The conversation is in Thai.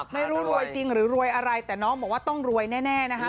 ไม่รู้รวยจริงหรือรวยอะไรแต่น้องบอกว่าต้องรวยแน่นะคะ